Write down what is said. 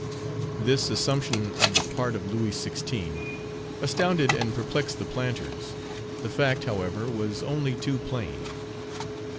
This assumption of the part of Louis XVI. astounded and perplexed the planters. The fact, however, was only too plain.